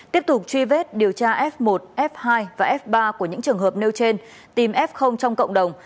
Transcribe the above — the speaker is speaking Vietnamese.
tiếp tục truy vết điều tra f một f hai và f ba của những trường hợp nêu trên tìm f trong cộng đồng